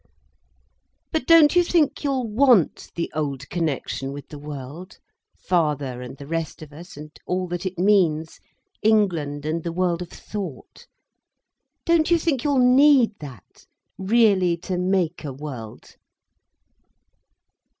"But don't you think you'll want the old connection with the world—father and the rest of us, and all that it means, England and the world of thought—don't you think you'll need that, really to make a world?"